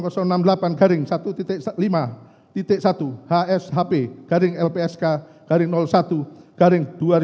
tanggal sebelas januari